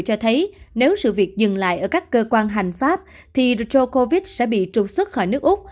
cho thấy nếu sự việc dừng lại ở các cơ quan hành pháp thì rro covid sẽ bị trục xuất khỏi nước úc